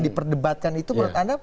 diperdebatkan itu menurut anda